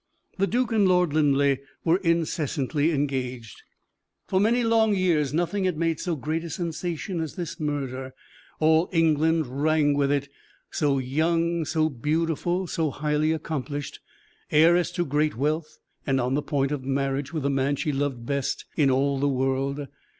The duke and Lord Linleigh were incessantly engaged. For many long years nothing had made so great a sensation as this murder all England rang with it. So young, so beautiful, so highly accomplished, heiress to great wealth, and on the point of marriage with the man she loved best in all the world.